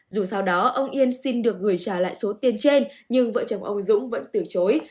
dù sau đó ông yên xin được gửi trả lại số tiền trên nhưng vợ chồng ông dũng vẫn từ chối